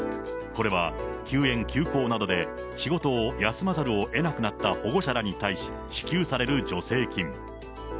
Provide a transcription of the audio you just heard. これは、休園・休校などで仕事を休まざるをえなくなった保護者らに対し支給される助成金。